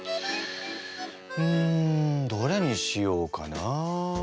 うんどれにしようかな？